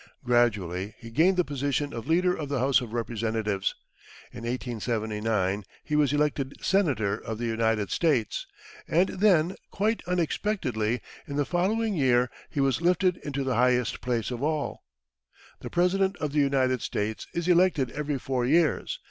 Gradually he gained the position of Leader of the House of Representatives. In 1879 he was elected Senator of the United States; and then, quite unexpectedly, in the following year he was lifted into the highest place of all. The President of the United States is elected every four years.